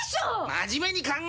真面目に考えろよ！